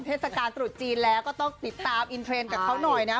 เทศกาลตรุษจีนแล้วก็ต้องติดตามอินเทรนด์กับเขาหน่อยนะ